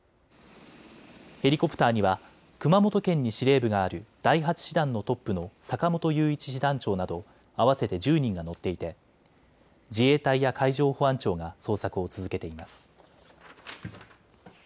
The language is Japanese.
ヘリコプターには熊本県に司令部がある第８師団のトップの坂本雄一師団長など合わせて１０人が乗っていて自衛隊や海上保安庁が捜索を続けています。